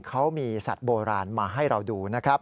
เขามีสัตว์โบราณมาให้เราดูนะครับ